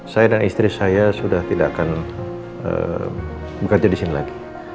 saya dan istri saya sudah tidak akan bekerja di sini lagi